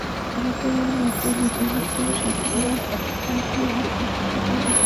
ভারতের মতো নেপালকেও সাধারণত জ্যেষ্ঠ কমিশনার হতেই প্রধান নির্বাচন কমিশনার নিয়োগপ্রাপ্ত হন।